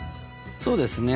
そうですね。